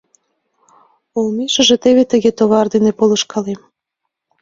Олмешыже теве тыге товар дене полышкалем.